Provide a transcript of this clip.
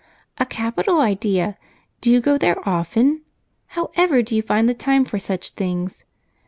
"A capital idea. Do you go there often? How ever do you find the time for such things?"